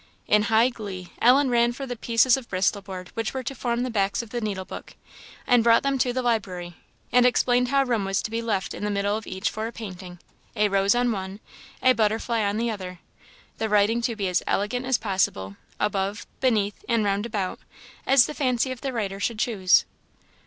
In high glee, Ellen ran for the pieces of Bristol board which were to form the backs of the needlebook, and brought them to the library; and explained how room was to be left in the middle of each for a painting, a rose on one, a butterfly on the other; the writing to be as elegant as possible, above, beneath, and roundabout, as the fancy of the writer should choose.